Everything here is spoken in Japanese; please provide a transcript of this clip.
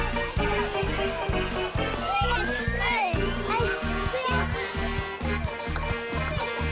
はい。